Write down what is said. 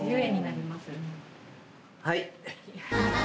はい。